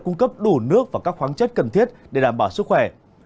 cung cấp đủ nước và các khoáng chất cần thiết để đảm bảo sức khỏe